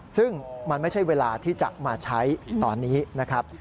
ซึ่งมันไม่ใช่เวลาที่จะมาใช้ตอนนี้นะครับ